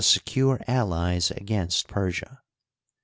secure allies against Persia.